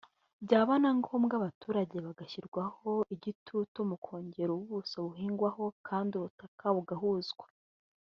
byaba na ngombwa abaturage bagashyirwaho igitutu mu kongera ubuso buhingwaho kandi ubutaka bugahuzwa